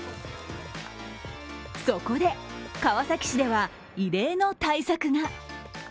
そこで、川崎市では異例の対策が。